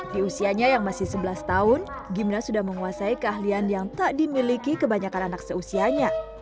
di usianya yang masih sebelas tahun gimna sudah menguasai keahlian yang tak dimiliki kebanyakan anak seusianya